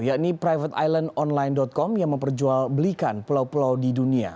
yakni privateislandonline com yang memperjual belikan pulau pulau di dunia